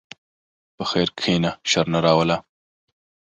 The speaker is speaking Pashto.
په خیر کښېنه، شر نه راوله.